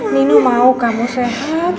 minum mau kamu sehat